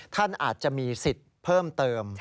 ท่านอาจจะมีสิทธิ์เพิ่มเติม